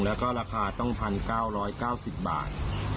แล้วก็ราคาต้อง๑๙๙๐บาท